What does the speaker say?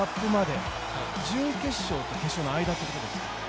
準決勝と決勝の間ということですか？